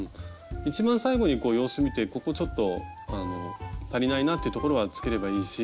一番最後に様子見てここちょっとあの足りないなというところはつければいいし。